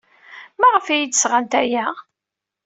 Maɣef ay iyi-d-sɣant aya?